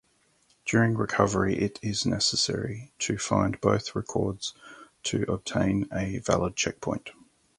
During recovery it is necessary to find both records to obtain a valid checkpoint.